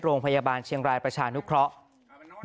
โรงพยาบาลเชียงรายประชานุเคราะห์